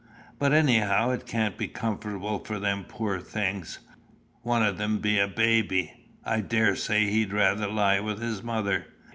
But anyhow, it can't be comfortable for 'em, poor things. One on 'em be a baby: I daresay he'd rather lie with his mother.